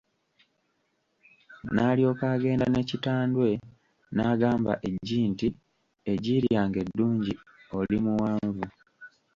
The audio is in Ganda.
N'alyokka agenda ne Kitandwe n'agamba eggi nti Eggi lyange eddungi oli muwanvu.